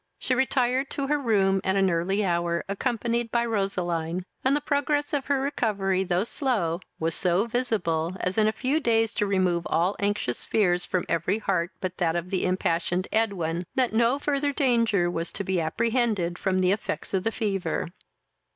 She retired to her room at an early hour, accompanied by Roseline; and the progress of her recovery, though slow, was so visible, as in a few days to remove all anxious fears from every heart but that of the impassioned Edwin, that no further danger was to be apprehended from the effects of the fever.